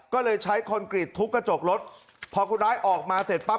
ก็เลยใช้คอนกรีตทุบกระจกรถพอคนร้ายออกมาเสร็จปั๊บ